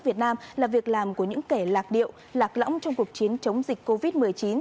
việt nam là việc làm của những kẻ lạc điệu lạc lõng trong cuộc chiến chống dịch covid một mươi chín